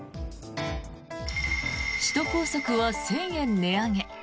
首都高速は１０００円値上げ。